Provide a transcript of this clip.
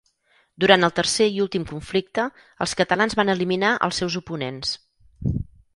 Durant el tercer i últim conflicte, els catalans van eliminar als seus oponents.